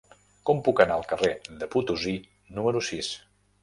Com puc anar al carrer de Potosí número sis?